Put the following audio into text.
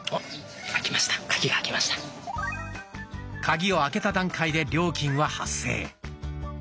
カギを開けた段階で料金は発生。